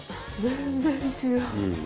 全然違う。